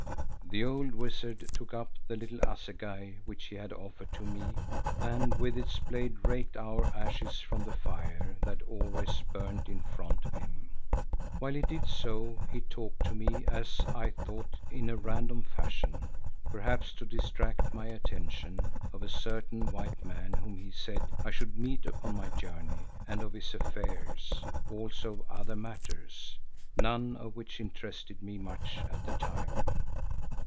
The old wizard took up the little assegai which he had offered to me and with its blade raked out ashes from the fire that always burnt in front of him. While he did so, he talked to me, as I thought in a random fashion, perhaps to distract my attention, of a certain white man whom he said I should meet upon my journey and of his affairs, also of other matters, none of which interested me much at the time.